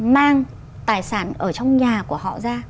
mang tài sản ở trong nhà của họ ra